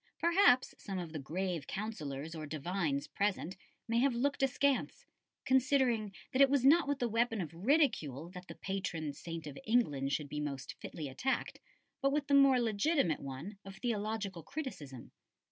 Perhaps some of the grave Councillors or divines present may have looked askance, considering that it was not with the weapon of ridicule that the patron saint of England should be most fitly attacked, but with the more legitimate one of theological criticism.